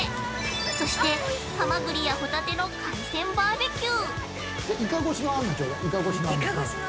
そして、ハマグリやホタテの海鮮バーベキュー。